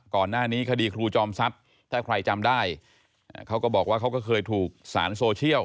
ก่อนหน้านี้คดีครูจอมทรัพย์ถ้าใครจำได้เขาก็บอกว่าเขาก็เคยถูกสารโซเชียล